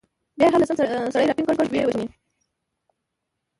بیا يې هر لسم سړی راټینګ کړ، چې ویې وژني.